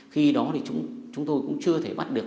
khi đó thì chúng tôi cũng chưa thể bắt được